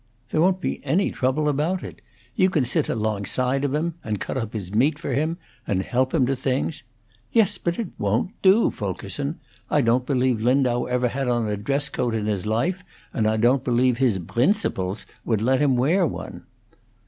There won't be any trouble about it. You can sit alongside of him, and cut up his meat for him, and help him to things " "Yes, but it won't do, Fulkerson! I don't believe Lindau ever had on a dress coat in his life, and I don't believe his 'brincibles' would let him wear one."